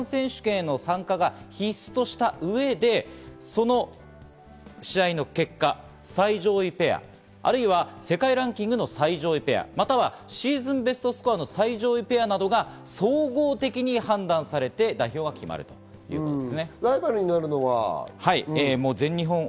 全日本選手権の参加が必須とした上で、その試合の結果、最上位ペア、世界ランキングの最上位ペア、またはシーズンベストスコアの最上位ペアなどが総合的に判断されて代表が決まると言われています。